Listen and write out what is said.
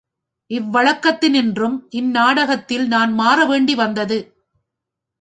இவ்வழக்கத்தினின்றும் இந்நாடகத்தில் நான் மாற வேண்டி வந்தது.